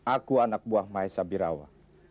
aku anak buah maisa birawa